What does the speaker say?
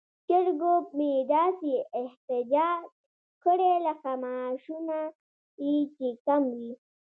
چرګو مې داسې احتجاج کړی لکه معاشونه یې چې کم وي.